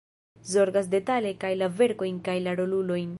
Zorgas detale kaj la verkojn kaj la rolulojn.